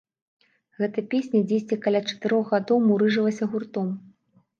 Гэта песня дзесьці каля чатырох гадоў мурыжылася гуртом.